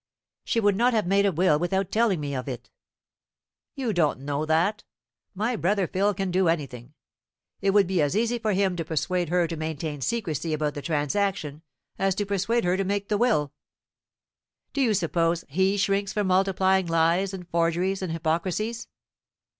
"She would not have made a will without telling me of it." "You don't know that. My brother Phil can do anything. It would be as easy for him to persuade her to maintain secrecy about the transaction as to persuade her to make the will. Do you suppose he shrinks from multiplying lies and forgeries and hypocrisies?